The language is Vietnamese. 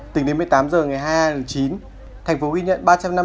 từ một mươi tám h ngày hai mươi hai chín tp hcm ghi nhận